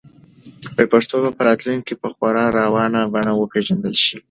پښتو به په راتلونکي کې په خورا روانه بڼه وپیژندل شي.